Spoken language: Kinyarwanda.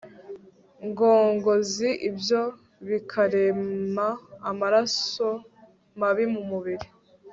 ngogozi ibyo bikarema amaraso mabi mu mubiri